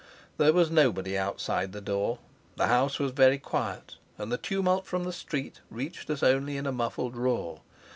There was nobody outside the door. The house was very quiet, and the tumult from the street reached us only in a muffled roar.